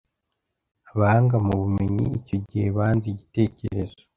abahanga mu bumenyi icyo gihe banze igitekerezo